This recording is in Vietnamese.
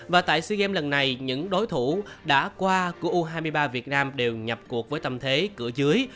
và tại sea games lần này những đối thủ đã qua của u hai mươi ba việt nam đều nhập cuộc với tâm thế cửa dưới